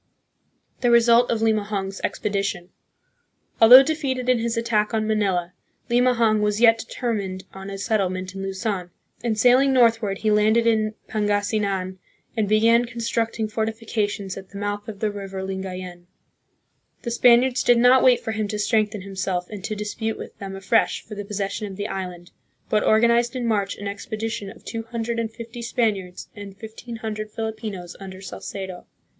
The Result of Limahong's Expedition. Although defeated in his attack on Manila, Limahong was yet de termined on a settlement in Luzon, and, sailing northward, he landed in Pangasinan and began constructing fortifi cations at the mouth of the river Lingayen. The Span iards did not wait for him to strengthen himself and to dis pute with them afresh for the possession of the island, but organized in March an expedition of two hundred and fifty Spaniards and fifteen hundred Filipinos under Salcedo.